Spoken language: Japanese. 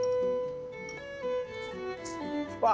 うわ。